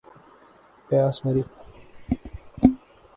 پیاس مری